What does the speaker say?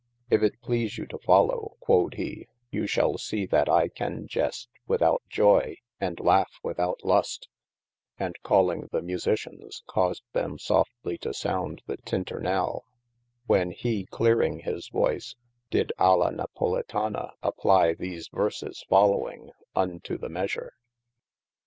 If it please you to followe (quod he) you shall see that I can jest without joye, and laugh without lust, and calling the musitions, caused them softly to sounde the Tynternall, when he clearing his voyce did Alia Napolitana applie these verses following, unto the measure.